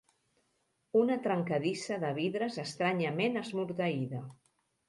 Una trencadissa de vidres estranyament esmorteïda.